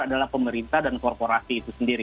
adalah pemerintah dan korporasi itu sendiri